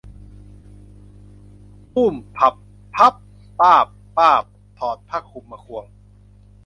ตู้ม พั่บ พั่บ ป้าบ ป้าบ ถอดผ้าคลุมมาควง